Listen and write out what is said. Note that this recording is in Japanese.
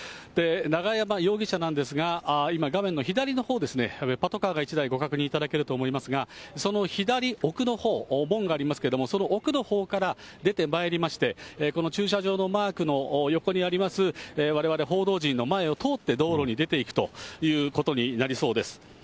永山容疑者なんですが、今、画面の左のほう、パトカーが１台、ご確認いただけるかと思いますが、その左奥のほう、門がありますけれども、その奥のほうから出てまいりまして、この駐車場のマークの横にあります、われわれ報道陣の前を通って、道路に出ていくということになりそうです。